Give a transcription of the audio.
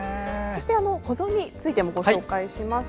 保存についてもご紹介します。